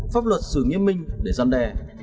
pháp luật xử nghiêm minh để gian đe